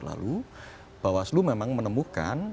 lalu bawaslu memang menemukan